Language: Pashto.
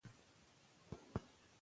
د آمو سیند مخکې د آکوسس په نوم یادیده.